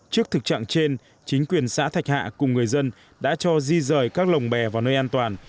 trước thực trạng trên chính quyền xã thạch hạ cùng người dân đã cho di rời các lồng bè vào nơi an toàn